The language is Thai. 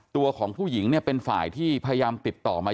ตัวของผู้หญิงเนี่ยเป็นฝ่ายที่พยายามติดต่อมา